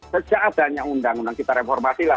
sejak adanya undang undang kita reformasilah